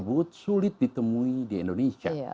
dan tidak sulit ditemui di indonesia